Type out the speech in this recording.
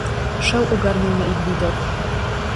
"Szał ogarniał na ich widok."